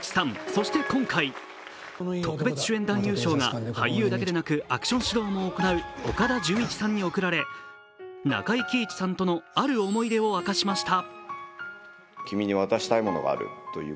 そして今回、特別主演男優賞が俳優だけでなくアクション指導も行う岡田准一さんにも贈られ、中井貴一さんとのある思い出を明かしました。